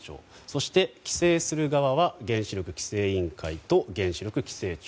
そして規制する側は原子力規制委員会と原子力規制庁。